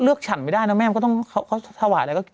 ฟะเลือกฉั่นไม่ได้น้นแม่มันเขาถวายอะไรก็ต้องฉั่น